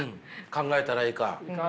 考えたらいいか。